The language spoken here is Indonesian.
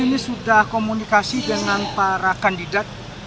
ini sudah komunikasi dengan para kandidat